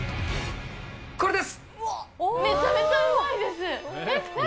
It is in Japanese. これです。